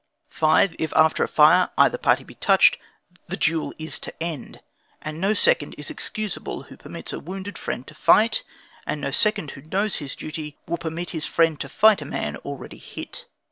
5. If after a fire, either party be touched, the duel is to end; and no second is excusable who permits a wounded friend to fight; and no second who knows his duty, will permit his friend to fight a man already hit.